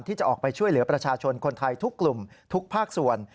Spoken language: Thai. ที่จะออกไปช่วยเหลือประชาชนคนไทยทุกกลุ่มทุกภาคส่วน